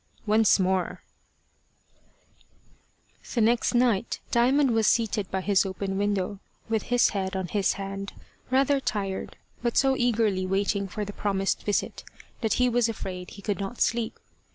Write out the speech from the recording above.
ONCE MORE THE next night Diamond was seated by his open window, with his head on his hand, rather tired, but so eagerly waiting for the promised visit that he was afraid he could not sleep.